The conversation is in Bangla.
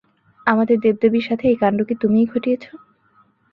আমাদের দেব-দেবীর সাথে এই কাণ্ড কি তুমিই ঘটিয়েছ?